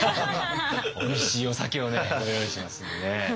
おいしいお酒をねご用意しますんでね。